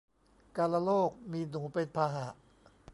กาฬโรค มีหนูเป็นพาหะ